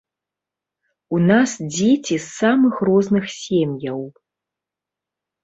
У нас дзеці з самых розных сем'яў.